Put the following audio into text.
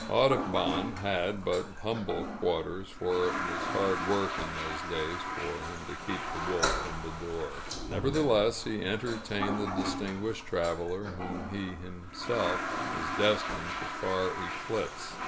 Audubon had but humble quarters, for it was hard work in those days for him to keep the wolf from the door; nevertheless, he entertained the distinguished traveler, whom he was himself destined to far eclipse.